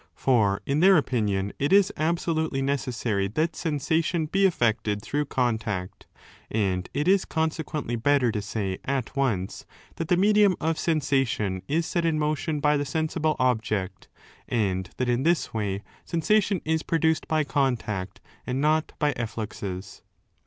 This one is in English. For in their opinion it is absolutely necessary that sensation be effected through contact, and it is consequently better to say at once that the medium of sensation is set in motion by the sensible object, and that in this way sensation is produced by contact and not by efiSuxes.